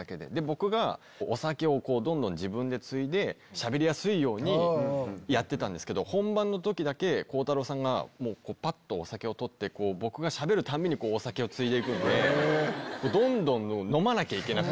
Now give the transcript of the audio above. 僕がお酒をどんどん自分でついでしゃべりやすいようにやってたんですけど本番の時だけ鋼太郎さんがぱっとお酒を取って僕がしゃべるたびにお酒をついでいくんでどんどん。